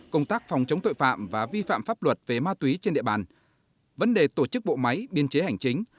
công tác phòng chống tội phạm và vi phạm pháp luật về ma túy trên địa bàn vấn đề tổ chức bộ máy biên chế hành chính